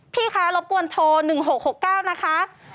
พี่คะรบกวนโทร๑๖๖๙นะคะ